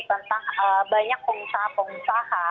tentang banyak pengusaha pengusaha